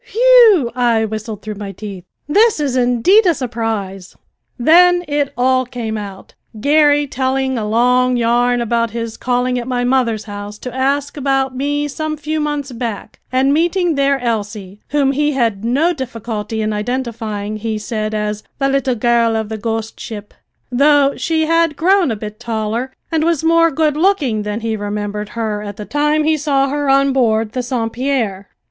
"Whee e e e eew," I whistled through my teeth. "This is indeed a surprise!" Then it all came out, Garry telling a long yarn about his calling at my mother's house to ask about me some few months back, and meeting there Elsie, whom he had no difficulty in identifying, he said, as "the little girl of the ghost ship," though she had grown a bit taller and was more good looking than he remembered her at the time he saw her on board the Saint Pierre.